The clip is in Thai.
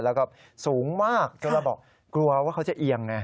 แล้วก็สูงมากจนเราบอกกลัวว่าเขาจะเอียงไง